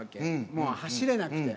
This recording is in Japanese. もう走れなくて。